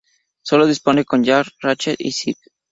Solo disponible con Jak, Ratchet y Sly.